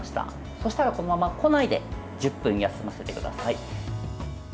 そうしたら、このまま庫内で１０分休ませてください。